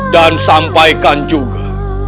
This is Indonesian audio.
dan sampaikan juga